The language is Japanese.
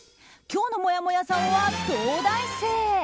今日のもやもやさんは、東大生。